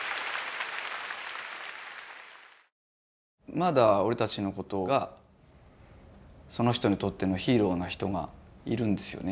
まだ俺たちのことがその人にとってのヒーローな人がいるんですよね。